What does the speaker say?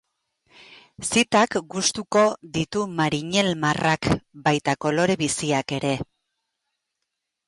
Zitak gustuko ditu marinel marrak, baita kolore biziak ere.